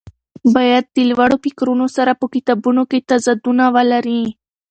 باید د لوړو فکرونو سره په کتابونو کې تضادونه ولري.